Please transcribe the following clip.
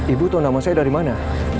ibu tahu nama saya dari mana